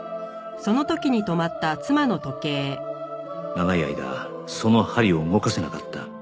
長い間その針を動かせなかった